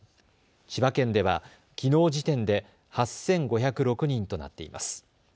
千葉県では、きのう時点で８５０６人となっています。